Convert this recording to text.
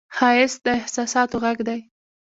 ښایست د احساساتو غږ دی